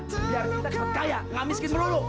biar kita sepedaya ngamiskin melulu